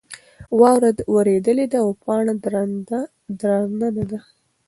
واوره ورېدلې ده او پاڼه درنه ده.